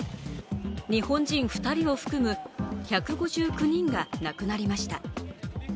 日本人２人を含む、１５９人が亡くなりました。